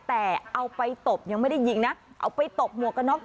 แต่เอาไปตบยังไม่ได้ยิงนะเอาไปตบหมวกกระน็อก